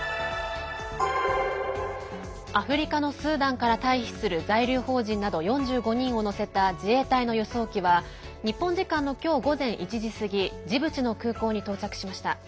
アフリカのスーダンから退避する在留邦人など４５人を乗せた自衛隊の輸送機は日本時間の今日、午前１時過ぎジブチの空港に到着しました。